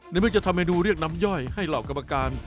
เมื่อจะทำเมนูเรียกน้ำย่อยให้เหล่ากรรมการ